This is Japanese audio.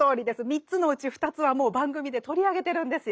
３つのうち２つはもう番組で取り上げてるんですよ。